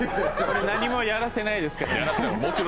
何もやらせないですからね。